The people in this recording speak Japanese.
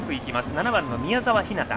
７番の宮澤ひなた。